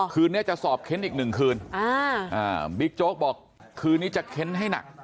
คืนนี้จะสอบเค้นอีกหนึ่งคืนบิ๊กโจ๊กบอกคืนนี้จะเค้นให้หนัก